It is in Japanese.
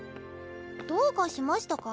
どうかしましたか？